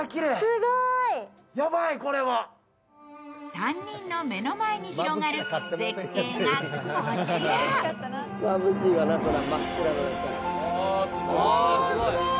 ３人の目の前に広がる絶景が、こちら。